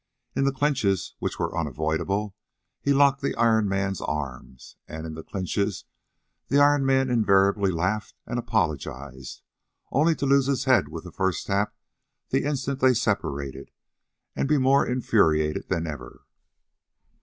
In the clinches, which were unavoidable, he locked the Iron Man's arms, and in the clinches the Iron Man invariably laughed and apologized, only to lose his head with the first tap the instant they separated and be more infuriated than ever.